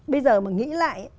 bây giờ mà nghĩ lại